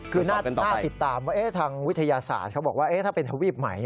คือน่าติดตามว่าทางวิทยาศาสตร์เขาบอกว่าถ้าเป็นทวีปใหม่